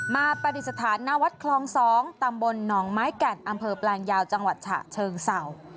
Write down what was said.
ปฏิสถานหน้าวัดคลอง๒ตำบลหนองไม้แก่นอำเภอแปลงยาวจังหวัดฉะเชิงเศร้า